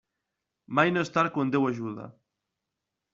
Mai no és tard quan Déu ajuda.